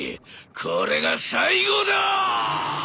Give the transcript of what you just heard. これが最後だ！